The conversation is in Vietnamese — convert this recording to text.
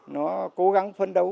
nó cố gắng phấn đấu